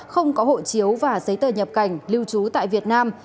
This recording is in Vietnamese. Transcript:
không có hộ chiếu và giấy tờ nhập cảnh lưu trú tại việt nam